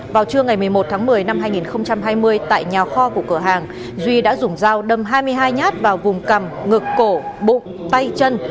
vào trưa ngày một mươi một tháng một mươi năm hai nghìn hai mươi tại nhà kho của cửa hàng duy đã dùng dao đâm hai mươi hai nhát vào vùng cầm ngực cổ bụng tay chân